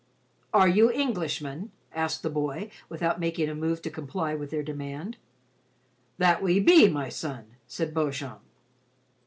"Are you Englishmen?" asked the boy without making a move to comply with their demand. "That we be, my son," said Beauchamp.